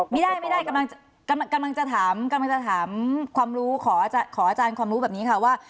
ไม่ได้กำลังจะถามความรู้ขออาจารย์ความรู้แบบนี้ค่ะว่า